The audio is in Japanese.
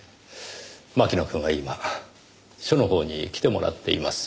牧野くんは今署のほうに来てもらっています。